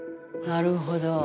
なるほど。